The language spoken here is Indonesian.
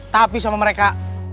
tapi sama mereka